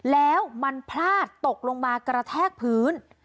แล้วมันพลาดตกลงมากระแทกพื้น